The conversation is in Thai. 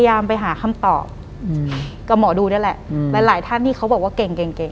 หลังจากนั้นเราไม่ได้คุยกันนะคะเดินเข้าบ้านอืม